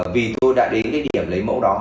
vì tôi đã đến cái điểm lấy mẫu đó